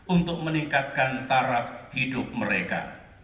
untuk meningkatkan taraf hidup mereka